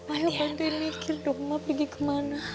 ayo bantuin mikir dong ma pergi kemana